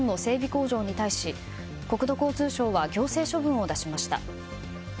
工場に対し国土交通省は行政処分を出しました。